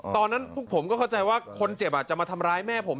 ตอนนั้นพวกผมก็เข้าใจว่าคนเจ็บจะมาทำร้ายแม่ผม